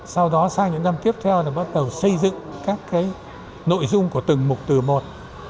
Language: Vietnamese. sau đó sang những năm tiếp theo là bắt đầu xây dựng các nội dung của từng mục từ một